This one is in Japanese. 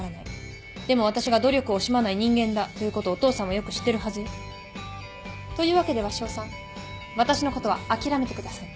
でも私が努力を惜しまない人間だということをお父さんはよく知ってるはずよ。というわけで鷲尾さん私のことは諦めてください。